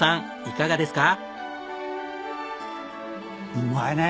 いかがですか？